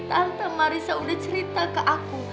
tante marisa udah cerita ke aku